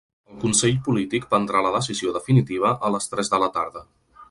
El consell polític prendrà la decisió definitiva a les tres de la tarda.